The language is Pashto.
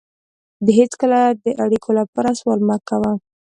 هېڅکله د اړیکې لپاره سوال مه کوه.